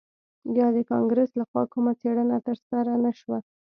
یا د کانګرس لخوا کومه څیړنه ترسره نه شوه